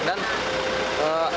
dan akses maksimalnya